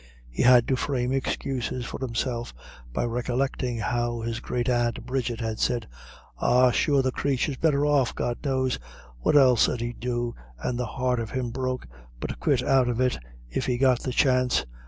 He had to frame excuses for himself by recollecting how his great aunt Bridget had said, "Ah, sure the crathur's better off, God knows. What else 'ud he do, and the heart of him broke, but quit out of it, if he got the chance?